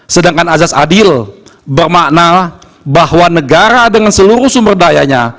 sedangkan azas adil bermakna bahwa negara dengan seluruh sumber dayanya